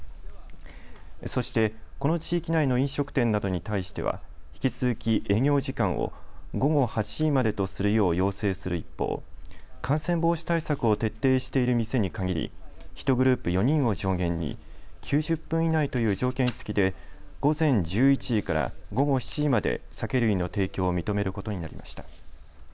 そして、この地域内の飲食店などに対しては引き続き営業時間を午後８時までとするよう要請する一方、感染防止対策を徹底している店に限り、１グループ４人を上限に９０分以内という条件付きで午前１１時から午後７時まで酒類の提供を認めることになりました。